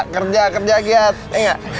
kerja kerja aget ya gak